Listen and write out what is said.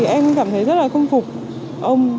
em cảm thấy rất là công phục ông